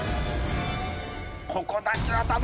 ここだけは頼む。